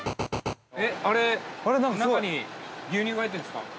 ◆中に牛乳が入ってるんですか。